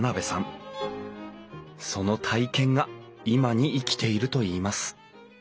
その体験が今に生きているといいます